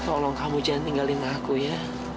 tolong kamu jangan tinggalin aku ya